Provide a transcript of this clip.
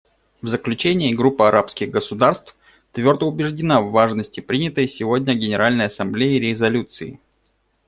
В заключение, Группа арабских государств твердо убеждена в важности принятой сегодня Генеральной Ассамблеей резолюции.